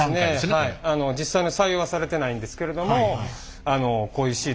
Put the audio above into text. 実際に採用はされてないんですけれども。